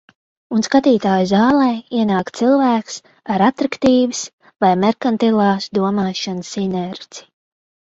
Un skatītāju zālē ienāk cilvēks ar atraktīvas vai merkantilās domāšanas inerci.